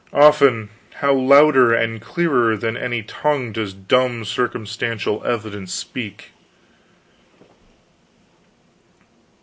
Often, how louder and clearer than any tongue, does dumb circumstantial evidence speak.